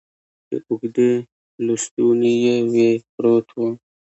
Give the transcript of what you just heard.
چې اوږدې لستوڼي یې وې، پروت و.